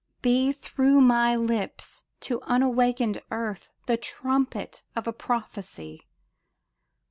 Be through my lips to unawakened earth The trumpet of a prophecy